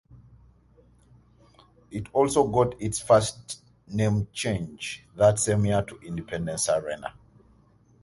It also got its first name change that same year to Independence Arena.